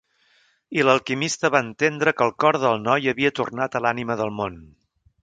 I l'alquimista va entendre que el cor del noi havia tornat a l'Ànima del món.